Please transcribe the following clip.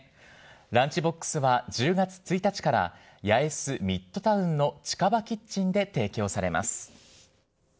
ランチボックスは１０月１日から八重洲ミッドタウンのチカバキッチンで提供されます。